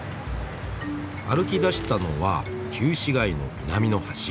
歩き出したのは旧市街の南の端。